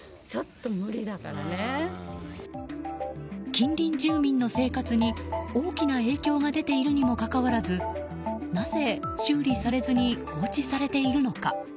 近隣住民の生活に大きな影響が出ているにもかかわらずなぜ修理されずに放置されているのか。